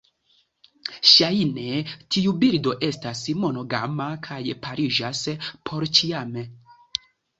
Ŝajne tiu birdo estas monogama kaj pariĝas porĉiame.